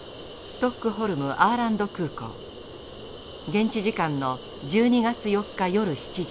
現地時間の１２月４日夜７時。